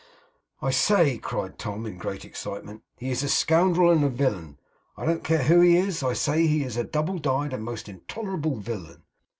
'I say,' cried Tom, in great excitement, 'he is a scoundrel and a villain! I don't care who he is, I say he is a double dyed and most intolerable villain!